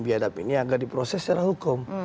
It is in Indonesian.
biadab ini agar diproses secara hukum